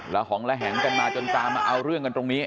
หองระแหงกันมาจนตามมาเอาเรื่องกันตรงนี้